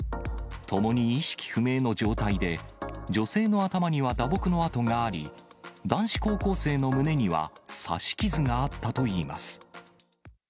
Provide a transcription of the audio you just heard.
ともに意識不明の状態で、女性の頭には打撲の痕があり、男子高校生の胸には刺し傷があったといいます。